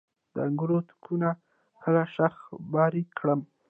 د انګورو تاکونه کله شاخه بري کړم؟